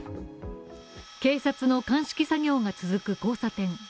警察の鑑識作業が続く交差点。